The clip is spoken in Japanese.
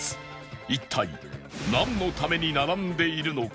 一体なんのために並んでいるのか